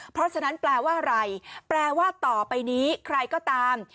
เพราะฉะนั้นแปลว่าอะไรแปลว่าต่อไปนี้ใครก็ตาม